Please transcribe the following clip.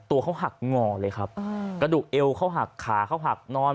ตัวเขาหักงอเลยครับกระดูกเอวเขาหักขาเขาหักนอน